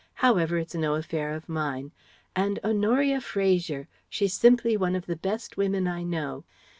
However it's no affair of mine. And Honoria Fraser! She's simply one of the best women I know.